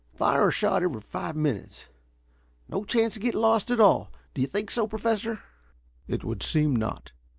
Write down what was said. Fire a shot every five minutes. No chance to get lost at all. Do you think so, Professor?" "It would seem not.